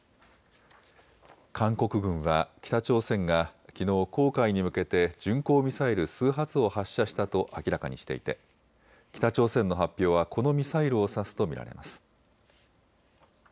韓国軍は北朝鮮がきのう黄海に向けて巡航ミサイル数発を発射したと明らかにしていて北朝鮮の発表はこのミサイルを指すと見られます。